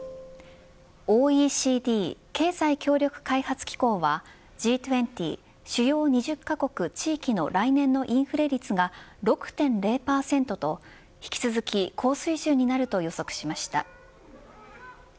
ＯＥＣＤ経済協力開発機構はＧ２０主要２０カ国地域の来年のインフレ率が６．０％と引き続き高水準になると予測しました。